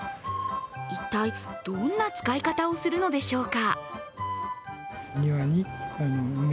一体、どんな使い方をするのでしょうか？